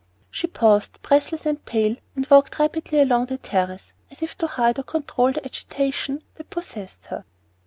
She paused, breathless and pale, and walked rapidly along the terrace, as if to hide or control the agitation that possessed her.